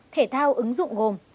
thể thao ứng dụng gồm